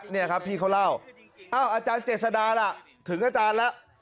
นี่ครับพี่เขาเล่าอาจารย์เจษดาล่ะถึงอาจารย์แล้ว